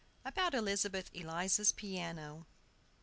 ABOUT ELIZABETH ELIZA'S PIANO.